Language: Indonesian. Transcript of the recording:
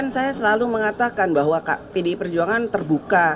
saya selalu mengatakan bahwa pdi perjuangan terbuka